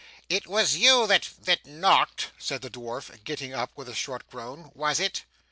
'It was you that that knocked,' said the dwarf, getting up with a short groan, 'was it?